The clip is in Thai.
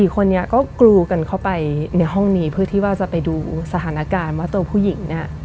คนนี้ก็กรูกันเข้าไปในห้องนี้เพื่อที่ว่าจะไปดูสถานการณ์ว่าตัวผู้หญิงเนี่ย